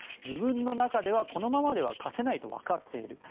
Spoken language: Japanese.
自分の中ではこのままでは勝てないと分かっている。